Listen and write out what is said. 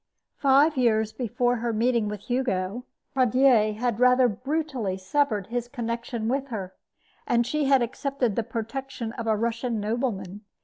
Five years before her meeting with Hugo, Pradier had rather brutally severed his connection with her, and she had accepted the protection of a Russian nobleman.